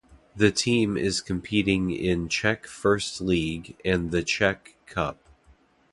The team is competing in Czech First League and the Czech Cup.